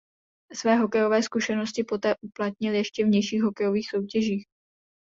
Své hokejové zkušenosti poté uplatnil ještě v nižších hokejových soutěžích.